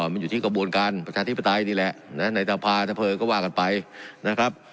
มันอยู่ที่กระบวนการประชาธิปไตยนี่แหละในสภาตะเภอก็ว่ากันไปนะครับ